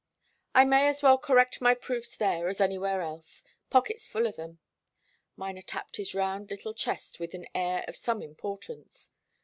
"I may as well correct my proofs there as anywhere else. Pocket's full of them." Miner tapped his round little chest with an air of some importance.